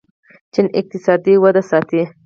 چین اقتصادي وده ساتي.